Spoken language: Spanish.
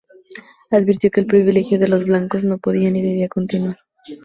Advirtió que el privilegio de los blancos no podía ni debía continuar.